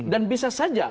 dan bisa saja